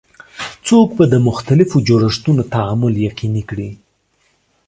څوک به د مختلفو جوړښتونو تعامل یقیني کړي؟